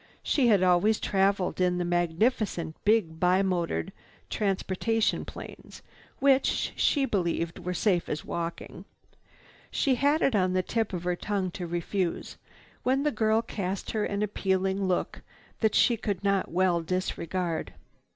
She had always traveled in the magnificent big bi motored transportation planes which, she believed, were safe as walking. She had it on the tip of her tongue to refuse, when the girl cast her an appealing look that she could not well disregard.